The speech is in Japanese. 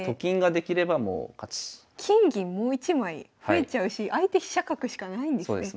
もう一枚増えちゃうし相手飛車角しかないんですね。